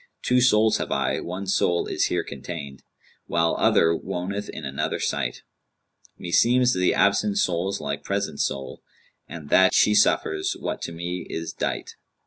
Two souls have I, one soul is here contained, * While other woneth in another site. Meseems the absent soul's like present soul, * And that she suffers what to me is dight.'